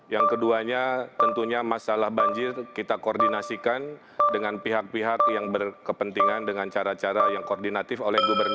yang keduanya tentunya masalah banjir kita koordinasikan dengan pihak pihak yang berkepentingan dengan cara cara yang koordinatif oleh gubernur